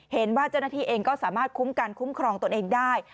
เห็นว่าเจ้าหน้าที่เองก็สามารถคุ้มกันคุ้มครองตนเองได้